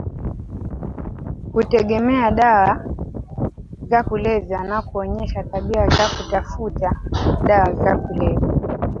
kutegemea dawa za kulevya na kuonyesha tabia za kutafuta dawa za kulevya